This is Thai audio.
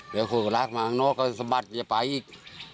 เดี๋ยวเขาก็รักมาข้างนอกก็สะบัดอย่าไปอีก